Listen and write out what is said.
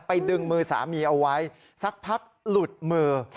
ดึงมือสามีเอาไว้สักพักหลุดมือ